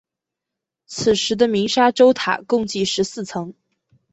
此时的鸣沙洲塔共计十四层。